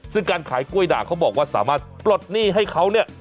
ซึ่งการขายกล้วยด่างเขาบอกว่าสามารถปลดหนี้ให้เขาเนี่ย